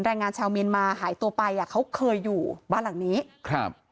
แรงงานชาวเมียนมาหายตัวไปอ่ะเขาเคยอยู่บ้านหลังนี้ครับ